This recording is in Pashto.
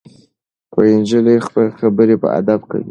نجلۍ خبرې په ادب کوي.